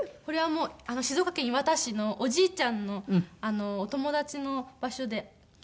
これは静岡県磐田市のおじいちゃんのお友達の場所で。